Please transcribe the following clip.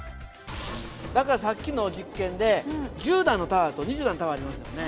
だからさっきの実験で１０段のタワーと２０段のタワーありましたよね。